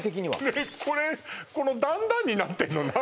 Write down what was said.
ねえこれこの段々になってんの何？